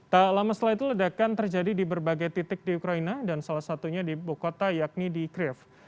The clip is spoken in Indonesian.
tak lama setelah itu ledakan terjadi di berbagai titik di ukraina dan salah satunya di buku kota yakni di kriv